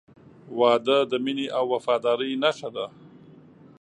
• واده د مینې او وفادارۍ نښه ده.